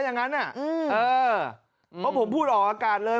เพราะผมพูดออกอากาศเลย